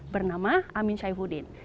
bernama amin syaifuddin